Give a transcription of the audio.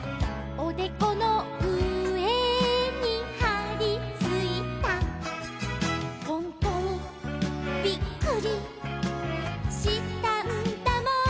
「おでこのうえにはりついた」「ほんとにびっくりしたんだもん」